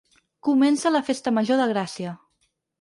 Comença la festa major de Gràcia.